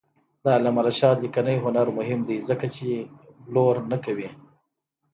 د علامه رشاد لیکنی هنر مهم دی ځکه چې پلور نه کوي.